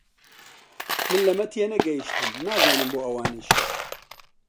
من لەمە تێنەگەیشتم، نازانم بۆ ئەوانیش